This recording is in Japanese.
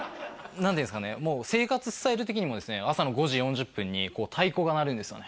何ていうんですかね生活スタイル的にも朝の５時４０分に太鼓が鳴るんですよね